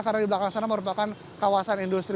karena di belakang sana merupakan kawasan industri